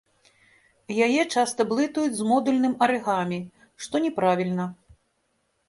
Яе часта блытаюць з модульным арыгамі, што няправільна.